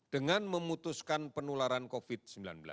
dengan memutuskan penularan covid sembilan belas